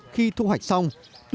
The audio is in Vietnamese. khi thu hoạch xong